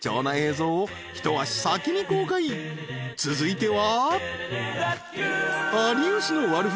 ［続いては］